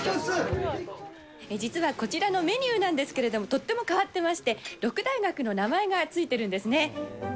実はこちらのメニューなんですけれども、とっても変わってまして、六大学の名前が付いているんですね。